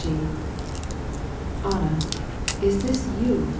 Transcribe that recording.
"Anna, is this you?"